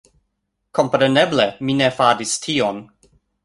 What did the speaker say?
Kompreneble, mi ne faris tion